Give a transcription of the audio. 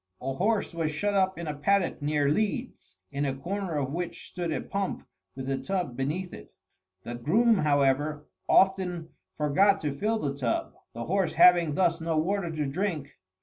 A horse was shut up in a paddock near Leeds, in a corner of which stood a pump with a tub beneath it. The groom, however, often forgot to fill the tub, the horse having thus no water to drink.